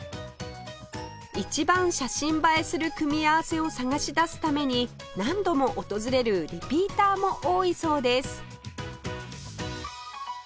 一番写真映えする組み合わせを探し出すために何度も訪れるリピーターも多いそうです